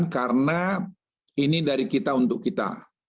karena ini dari kita untuk kita